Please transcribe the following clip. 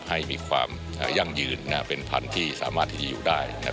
ให้มีความยั่งยืนเป็นพันธุ์ที่สามารถที่จะอยู่ได้